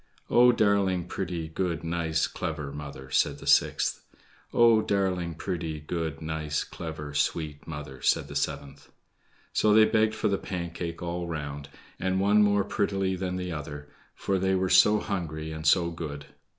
"Oh, darling, pretty, good, nice, clever mother," said the sixth. "Oh, darling, pretty, good, nice, clever, sweet mother," said the seventh. So they begged for the Pancake all round, the one more prettily than the other; for they were so hungry and so good.